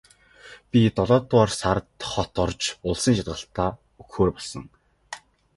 Би долоодугаар сард хот орж улсын шалгалтаа өгөхөөр болсон.